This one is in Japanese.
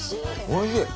おいしい。